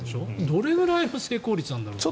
どれくらいの成功率なんだろうと。